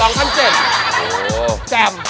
ลองทั้ง๗แจ่ม